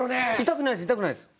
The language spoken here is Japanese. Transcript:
痛くないです痛くないです。